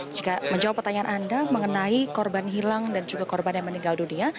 jika menjawab pertanyaan anda mengenai korban hilang dan juga korban yang meninggal dunia